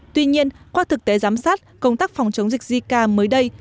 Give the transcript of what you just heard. tuy nhiên qua thực tế giám sát công tác phòng chống dịch zika mới đây